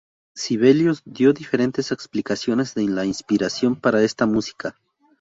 Sibelius dio diferentes explicaciones de la inspiración para esta música.